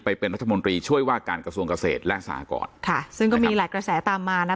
ไปเป็นรัฐมนตรีช่วยว่าการกระทรวงเกษตรและสหกรค่ะซึ่งก็มีหลายกระแสตามมานะคะ